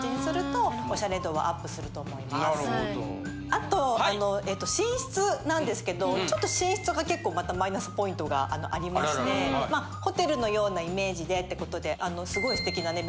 あとあの寝室なんですけどちょっと寝室が結構またマイナスポイントがありましてまあホテルのようなイメージでってことですごい素敵なね